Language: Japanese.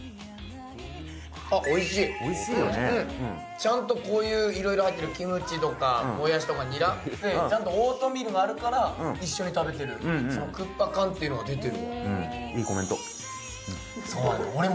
ちゃんとこういういろいろ入ってる、キムチとかもやしとかニラ、ちゃんとオートミールがあるから一緒に食べてるクッパ感というのが出てる。